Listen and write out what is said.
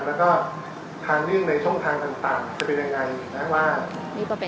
แล้วก็ทางเนื่องในช่วงทางต่างจะเป็นยังไงนะครับว่า